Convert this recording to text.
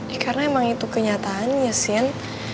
eh karena emang itu kenyataan ya sin